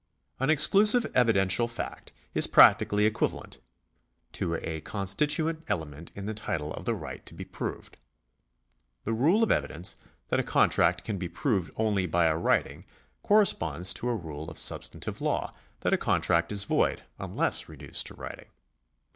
An exclusive evidential fact is practically equivalent to a constituent element in the title of the right to be proved. The rule of evidence that a contract can be proved only by a writing corresponds to a rule of substantive law that a contract is void unless reduced to writing.